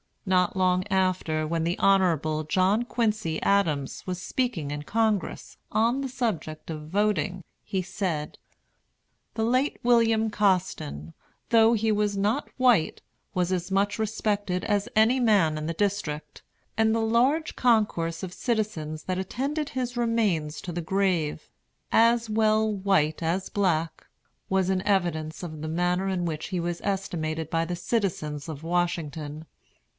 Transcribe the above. Not long after, when the Honorable John Quincy Adams was speaking in Congress on the subject of voting, he said: "The late William Costin, though he was not white, was as much respected as any man in the District; and the large concourse of citizens that attended his remains to the grave as well white as black was an evidence of the manner in which he was estimated by the citizens of Washington.